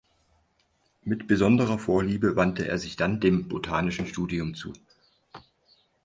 Mit besonderer Vorliebe wandte er sich dann dem botanischen Studium zu.